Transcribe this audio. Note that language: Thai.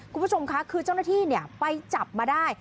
คุณผู้ชมค่ะคือเจ้าหน้าที่ไปจับมาได้